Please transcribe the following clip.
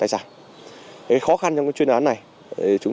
sợ vi phạm cho nên cũng